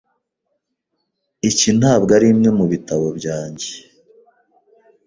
Iki ntabwo arimwe mubitabo byanjye .